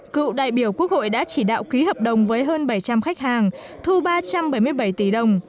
cựu đại biểu quốc hội đã chỉ đạo ký hợp đồng với hơn bảy trăm linh khách hàng thu ba trăm bảy mươi bảy tỷ đồng